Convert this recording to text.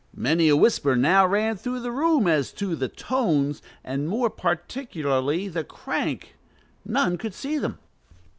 Many a whisper now ran through the room as to the "tones," and more particularly the "crank"; none could see them.